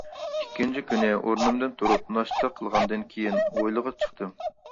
ئىككىنچى كۈنى، ئورنۇمدىن تۇرۇپ، ناشتا قىلغاندىن كېيىن، ھويلىغا چىقتىم.